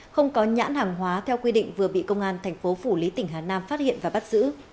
không có nhãn hàng hóa theo quy định vừa bị công an thành phố phủ lý tỉnh hà nam phát hiện và bắt giữ